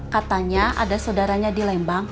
katanya ada saudaranya di lembang